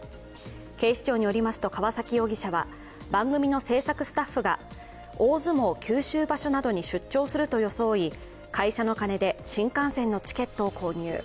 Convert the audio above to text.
警視庁によりますと、川崎容疑者は番組の制作スタッフが大相撲九州場所などに出張すると装い会社の金で新幹線のチケットを購入。